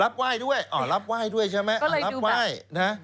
รับไหว้ด้วยอ๋อรับไหว้ด้วยใช่ไหม